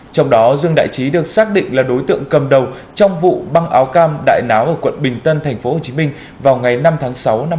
trong đó dương đại trí được xác định là đối tượng cầm đầu trong vụ băng áo cam đại náo ở quận bình tân tp hcm vào ngày năm tháng sáu năm hai nghìn hai mươi ba